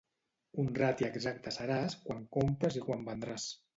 Honrat i exacte seràs quan compres i quan vendràs.